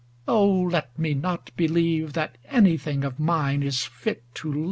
Oh, let me not believe That anything of mine is fit to live !